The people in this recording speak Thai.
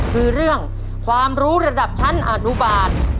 คือเรื่องความรู้ระดับชั้นอนุบาล